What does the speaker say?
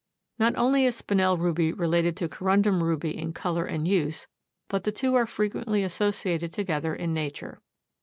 Not only is Spinel ruby related to corundum ruby in color and use, but the two are frequently associated together in nature.